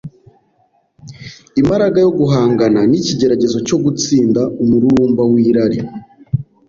Imbaraga yo guhangana n’ikigeragezo cyo gutsinda umururumba w’irari